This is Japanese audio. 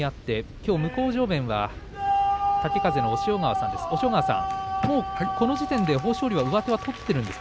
きょう、向正面は豪風の押尾川さんです。